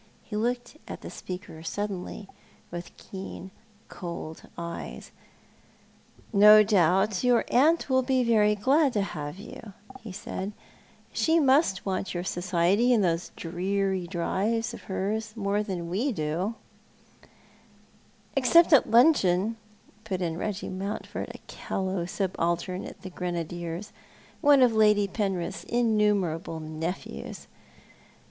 He looked at the speaker suddenly, with keen, cold eyes. "No doubt your aunt will be very glad to have you," he said ;" she must want your society in those dreary drives of hers more than we do " "Except at luncheon," put in Eeggie Mountford, a callow subaltern in the Grenadiers, one of Lady Penrith's innumerable nephews.